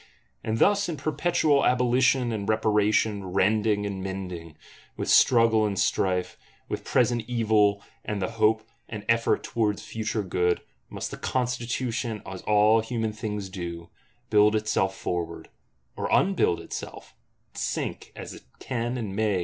And thus in perpetual abolition and reparation, rending and mending, with struggle and strife, with present evil and the hope and effort towards future good, must the Constitution, as all human things do, build itself forward; or unbuild itself, and sink, as it can and may.